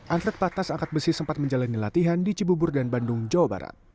atlet patas angkat besi sempat menjalani latihan di cibubur dan bandung jawa barat